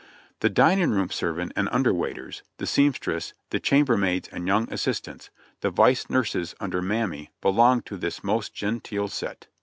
The dining room servant and under waiters, the seamstress, the cham bermaids and young assistants, the vice nurses under mammy belonged to this most genteel set.